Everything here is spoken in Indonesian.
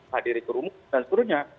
hadir ke rumah dan seterusnya